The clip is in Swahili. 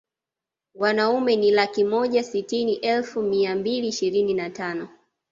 Wanaume ni laki moja sitini elfu mia mbili ishirini na tano